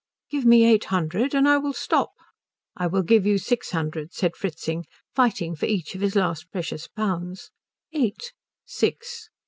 "Give me eight hundred and I will stop." "I will give you six hundred," said Fritzing, fighting for each of his last precious pounds. "Eight." "Six."